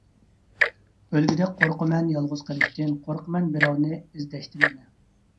ئۆلگۈدەك قورقىمەن يالغۇز قېلىشتىن، قورقىمەن بىراۋنى ئىزدەشتىن يەنە.